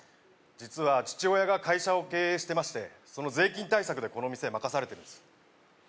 実は父親が会社を経営してましてその税金対策でこの店任されてるんです